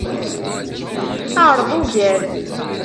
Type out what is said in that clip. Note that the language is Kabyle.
Ɛṛeḍ ugar.